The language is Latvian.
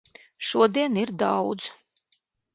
Šodien ir daudz.